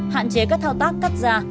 hạn chế các thao tác cắt da